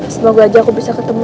semoga aja aku bisa ketemu